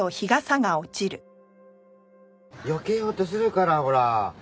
よけようとするからほら。